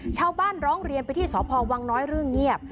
ร้องเรียนไปที่สพวังน้อยเรื่องเงียบ